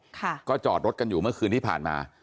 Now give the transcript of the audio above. ค่ะก็จอดรถกันอยู่เมื่อคืนที่ผ่านมา